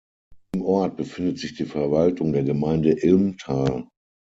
Im Ort befindet sich die Verwaltung der Gemeinde Ilmtal.